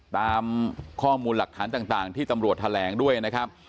ตามข้อมูลหลักฐานต่างที่ตำรวจแถลงด้วยนะครับ